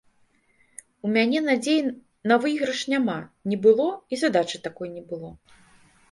У мяне надзеі на выйгрыш няма, не было, і задачы такой не было.